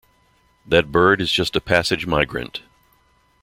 That bird is just a passage migrant.